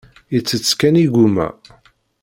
Ittett kan igumma.